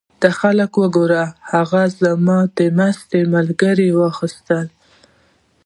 دا خلک وګوره! هغه زما د مستۍ ملګری یې واخیست.